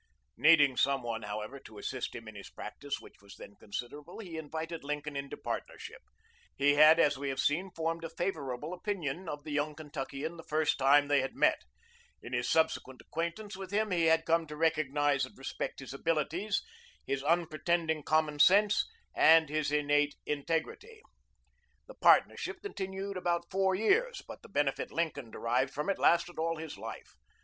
] Needing some one, however, to assist him in his practice, which was then considerable, he invited Lincoln into partnership. He had, as we have seen, formed a favorable opinion of the young Kentuckian the first time they had met. In his subsequent acquaintance with him he had come to recognize and respect his abilities, his unpretending common sense, and his innate integrity. The partnership continued about four years, but the benefit Lincoln derived from it lasted all his life.